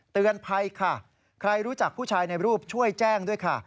เตือนภัยค่ะใครรู้จักผู้ชายในรูปช่วยแจ้งด้วยค่ะ